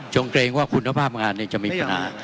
จงเกรงว่าคุณภาพประงานนี้จะไม่อย่างนั้น